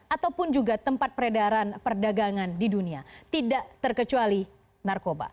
ataupun juga tempat peredaran perdagangan di dunia tidak terkecuali narkoba